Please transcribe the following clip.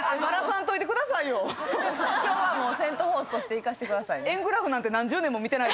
今日はもうセント・フォースとしていかせてください。